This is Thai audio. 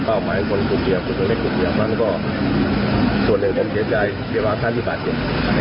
เพราะส่วนหนึ่งเป็นเกษใจเชื่อว่าท่านที่บาดเย็น